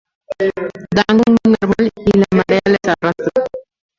Dan con un árbol y la marea les arrastra.